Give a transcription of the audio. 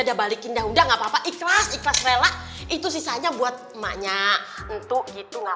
udah balikin dah udah nggak apa apa ikhlas ikhlas rela itu sisanya buat emaknya entok gitu nggak